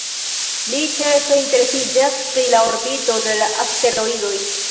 Li ĉefe interesiĝas pri la orbitoj de la asteroidoj.